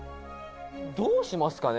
「どうしますかね？